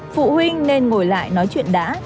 phụ huynh nên ngồi lại nói chuyện đã